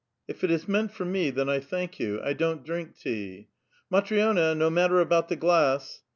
" If it is meant for me, then I thank vou. I don't drink tea. '' Mntrioiia, no matter about the ghvss.